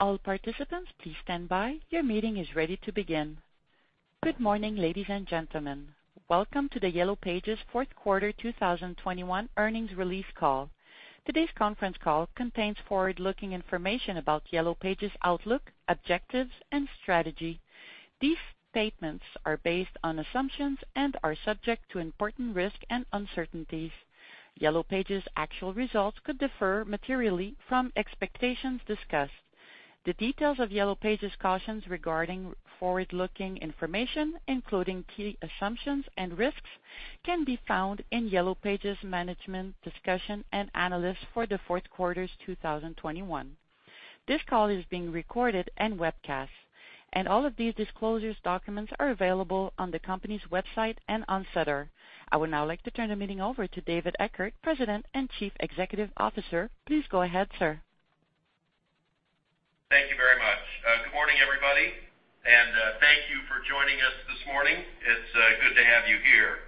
Good morning, ladies and gentlemen. Welcome to the Yellow Pages fourth quarter 2021 earnings release call. Today's conference call contains forward-looking information about Yellow Pages' outlook, objectives, and strategy. These statements are based on assumptions and are subject to important risks and uncertainties. Yellow Pages' actual results could differ materially from expectations discussed. The details of Yellow Pages' cautions regarding forward-looking information, including key assumptions and risks, can be found in Yellow Pages' Management Discussion and Analysis for the fourth quarter 2021. This call is being recorded and webcast, and all of these disclosure documents are available on the company's website and on SEDAR. I would now like to turn the meeting over to David Eckert, President and Chief Executive Officer. Please go ahead, sir. Thank you very much. Good morning, everybody, and thank you for joining us this morning. It's good to have you here.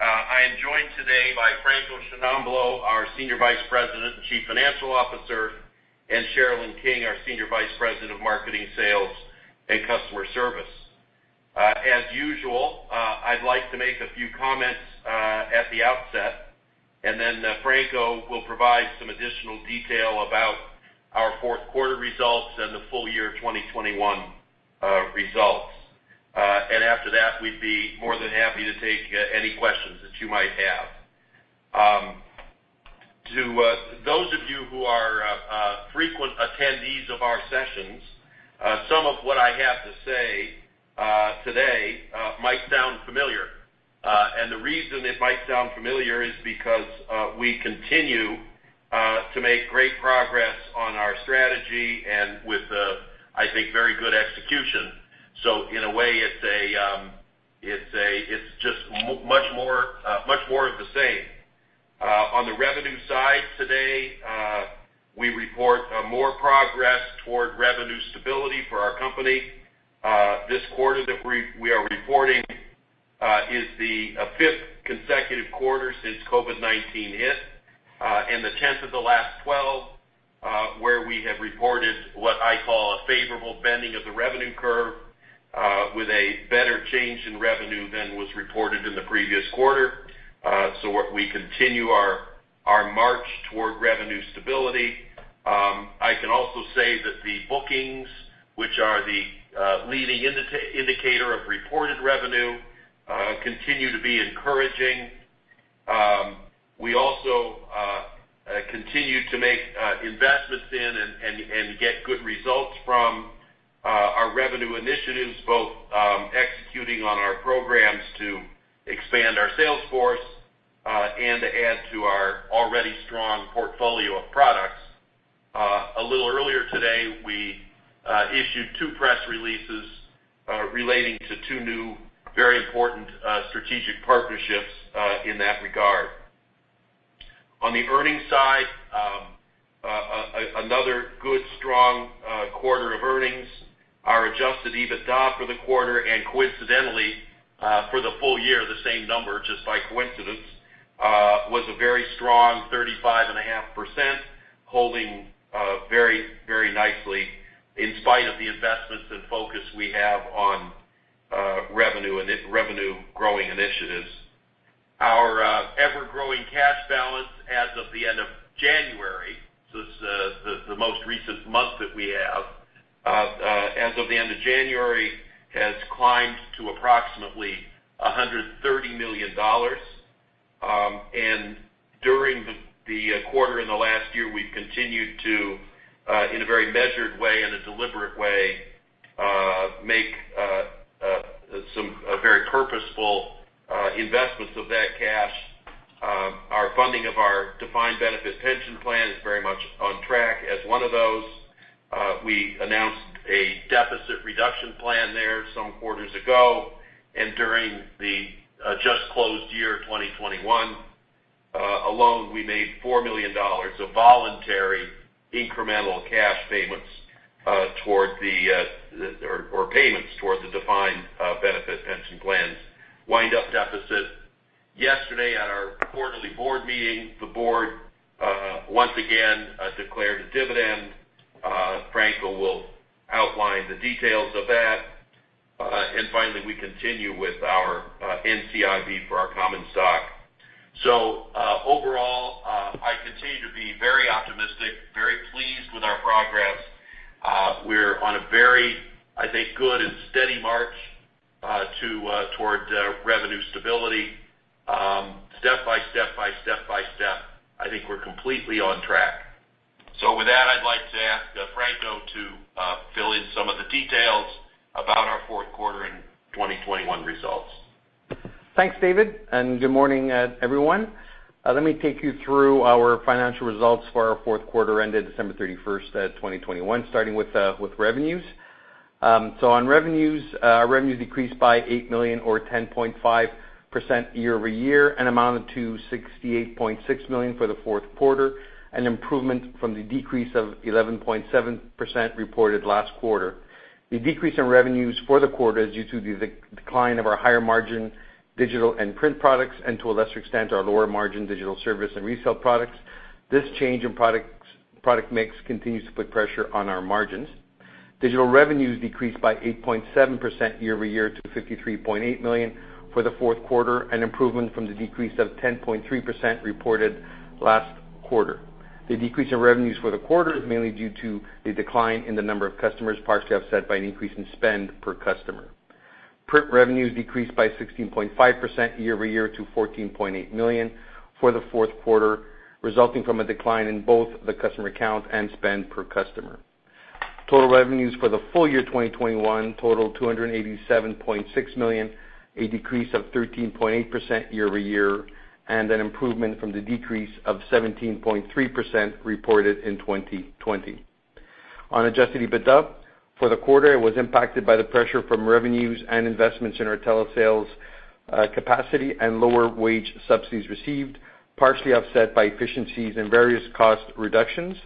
I am joined today by Franco Sciannamblo, our Senior Vice President and Chief Financial Officer, and Sherilyn King, our Senior Vice President of Marketing Sales and Customer Service. As usual, I'd like to make a few comments at the outset, and then Franco will provide some additional detail about our fourth quarter results and the full year 2021 results. And after that, we'd be more than happy to take any questions that you might have. To those of you who are frequent attendees of our sessions, some of what I have to say today might sound familiar. And the reason it might sound familiar is because we continue to make great progress on our strategy and with I think very good execution. So in a way, it's just much more of the same. On the revenue side today, we report more progress toward revenue stability for our company. This quarter that we are reporting is the fifth consecutive quarter since COVID-19 hit and the 10th of the last 12 where we have reported what I call a favorable bending of the revenue curve with a better change in revenue than was reported in the previous quarter. So what we continue our march toward revenue stability. I can also say that the bookings, which are the leading indicator of reported revenue, continue to be encouraging. We also continue to make investments in and get good results from our revenue initiatives, both executing on our programs to expand our sales force and to add to our already strong portfolio of products. A little earlier today, we issued two press releases relating to two new very important strategic partnerships in that regard. On the earnings side, another good, strong quarter of earnings. Our Adjusted EBITDA for the quarter and coincidentally for the full year, the same number just by coincidence, was a very strong 35.5%, holding very nicely in spite of the investments and focus we have on revenue-growing initiatives. Our ever-growing cash balance as of the end of January, so it's the most recent month that we have, as of the end of January, has climbed to approximately CAD 130 million. During the quarter in the last year, we've continued to in a very measured way and a deliberate way make some very purposeful investments of that cash. Our funding of our Defined Benefit Pension Plan is very much on track as one of those. We announced a deficit reduction plan there some quarters ago, and during the just closed year, 2021, alone, we made 4 million dollars of voluntary incremental cash payments towards the Defined Benefit Pension Plan's wind-up deficit. Yesterday, at our quarterly board meeting, the board once again declared a dividend. Franco will outline the details of that. Finally, we continue with our NCIB for our common stock. So overall, I continue to be very optimistic, very pleased with our progress. We're on a very, I think, good and steady march toward revenue stability. Step by step, I think we're completely on track. With that, I'd like to ask Franco to fill in some of the details about our fourth quarter and 2021 results. Thanks, David, and good morning, everyone. Let me take you through our financial results for our fourth quarter ended December 31st, 2021, starting with revenues. On revenues, our revenues decreased by 8 million or 10.5% year-over-year and amounted to 68.6 million for the fourth quarter, an improvement from the decrease of 11.7% reported last quarter. The decrease in revenues for the quarter is due to the decline of our higher margin digital and print products, and to a lesser extent, our lower margin digital service and resale products. This change in product mix continues to put pressure on our margins. Digital revenues decreased by 8.7% year-over-year to 53.8 million for the fourth quarter, an improvement from the decrease of 10.3% reported last quarter. The decrease in revenues for the quarter is mainly due to the decline in the number of customers partially offset by an increase in spend per customer. Print revenues decreased by 16.5% year-over-year to 14.8 million for the fourth quarter, resulting from a decline in both the customer count and spend per customer. Total revenues for the full year 2021 totaled CAD 287.6 million, a decrease of 13.8% year-over-year, and an improvement from the decrease of 17.3% reported in 2020. Our Adjusted EBITDA for the quarter was impacted by the pressure from revenues and investments in our telesales capacity and lower wage subsidies received, partially offset by efficiencies and various cost reductions.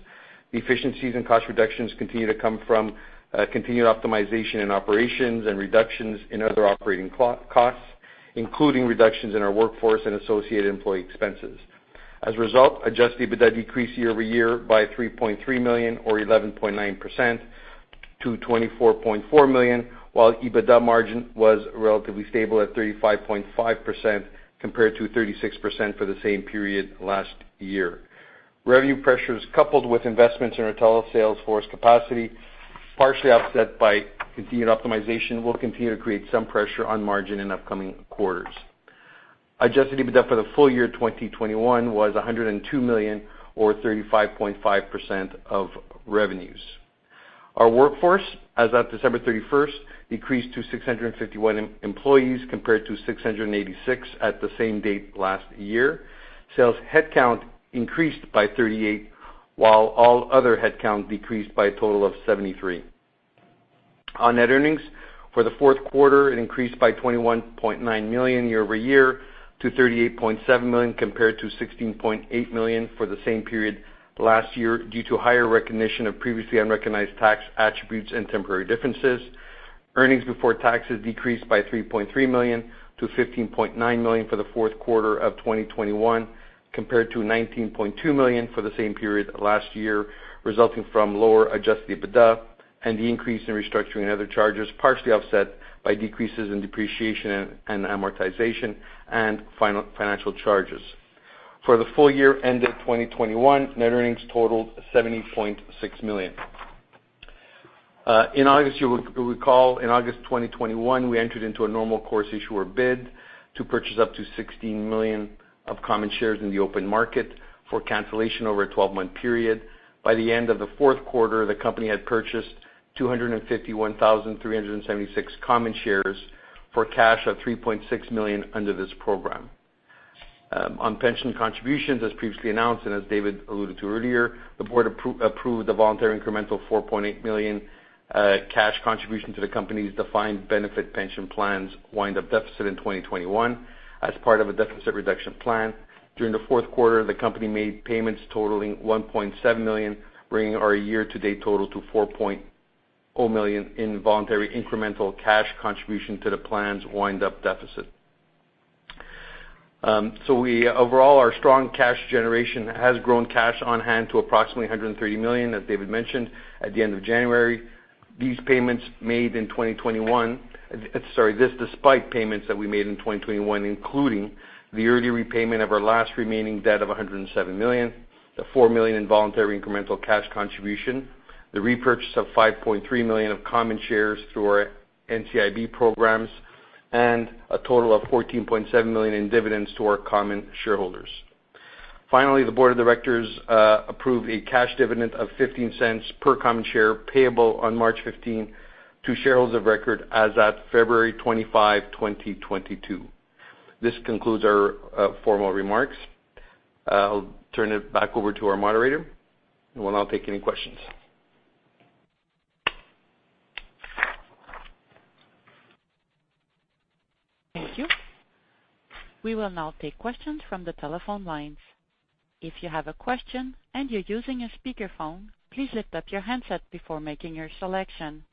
The efficiencies and cost reductions continue to come from continued optimization in operations and reductions in other operating costs, including reductions in our workforce and associated employee expenses. As a result, Adjusted EBITDA decreased year-over-year by 3.3 million or 11.9% to 24.4 million, while EBITDA margin was relatively stable at 35.5% compared to 36% for the same period last year. Revenue pressures coupled with investments in our telesales force capacity, partially offset by continued optimization, will continue to create some pressure on margin in upcoming quarters. Adjusted EBITDA for the full year 2021 was 102 million or 35.5% of revenues. Our workforce, as of December 31st, decreased to 651 employees compared to 686 at the same date last year. Sales headcount increased by 38, while all other headcount decreased by a total of 73. On net earnings for the fourth quarter, it increased by 21.9 million year-over-year to 38.7 million compared to 16.8 million for the same period last year due to higher recognition of previously unrecognized tax attributes and temporary differences. Earnings before taxes decreased by 3.3 million to 15.9 million for the fourth quarter of 2021 compared to 19.2 million for the same period last year, resulting from lower Adjusted EBITDA and the increase in restructuring and other charges, partially offset by decreases in depreciation and amortization and financial charges. For the full year ended 2021, net earnings totaled CAD 70.6 million. In August, you will recall in August 2021, we entered into a normal course issuer bid to purchase up to 16 million of common shares in the open market for cancellation over a 12-month period. By the end of the fourth quarter, the company had purchased 251,376 common shares for cash of 3.6 million under this program. On pension contributions, as previously announced, and as David alluded to earlier, the board approved the voluntary incremental 4.8 million cash contribution to the company's Defined Benefit Pension Plans wind-up deficit in 2021 as part of a deficit reduction plan. During the fourth quarter, the company made payments totaling 1.7 million, bringing our year-to-date total to 4.0 million in voluntary incremental cash contribution to the plans wind-up deficit. So overall, our strong cash generation has grown cash on hand to approximately 130 million, as David mentioned at the end of January. These payments made in 2021. Sorry, this despite payments that we made in 2021, including the early repayment of our last remaining debt of 107 million, the 4 million in voluntary incremental cash contribution, the repurchase of 5.3 million common shares through our NCIB programs, and a total of 14.7 million in dividends to our common shareholders. Finally, the board of directors approved a cash dividend of 0.15 per common share payable on March 15 to shareholders of record as of February 25, 2022. This concludes our formal remarks. I'll turn it back over to our moderator, and we'll now take any questions. Thank you. We will now take questions from the telephone lines. If you have a question and you're using a speakerphone, please attach your headset before making your selection.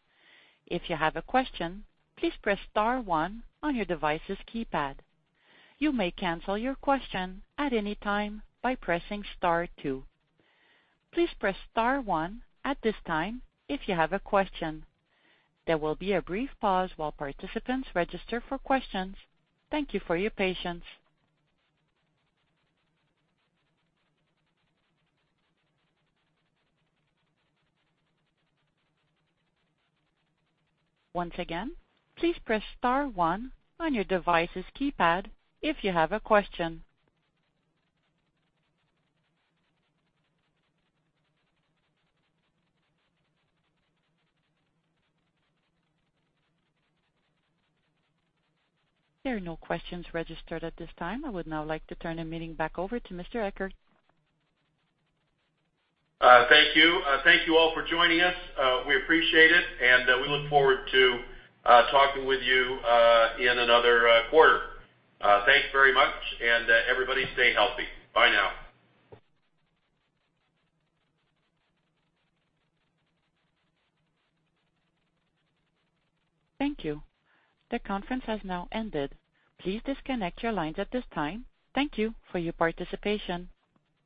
If you have a question, please press star one on your device's keypad. You may cancel your question at any time by pressing star two. Please press star one at this time if you have a question. There will be a brief pause while participants register for questions. Thank you for your patience. Once again, please press star one on your device's keypad if you have a question. There are no questions registered at this time. I would now like to turn the meeting back over to Mr. Eckert. Thank you. Thank you all for joining us. We appreciate it, and we look forward to talking with you in another quarter. Thanks very much, and everybody stay healthy. Bye now. Thank you. The conference has now ended. Please disconnect your lines at this time. Thank you for your participation.